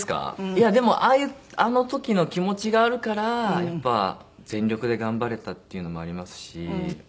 いやでもああいうあの時の気持ちがあるからやっぱ全力で頑張れたっていうのもありますし。